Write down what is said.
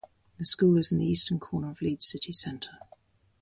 The school is in the eastern corner of Leeds city centre.